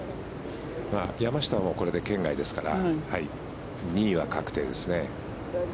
山下はこれで圏外ですから２位は確定ですね。